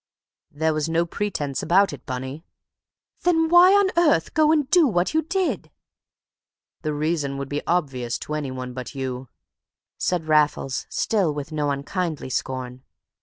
"There was no pretence about it, Bunny." "Then why on earth go and do what you did?" "The reason would be obvious to anyone but you," said Raffles, still with no unkindly scorn.